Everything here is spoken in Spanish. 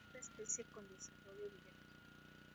Es una especie con desarrollo directo.